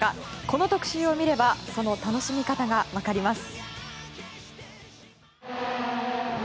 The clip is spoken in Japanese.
この特集を見ればその楽しみ方が分かります。